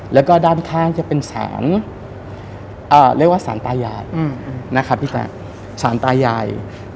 แล้วก็ด้านข้างจะเป็นสารเรียกว่าสารตายาย